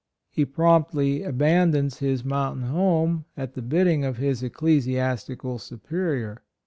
He promptly abandons his mountain home at the bidding of his ecclesiastical superior.